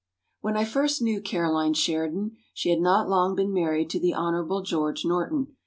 ] "When I first knew Caroline Sheridan she had not long been married to the Hon. George Norton.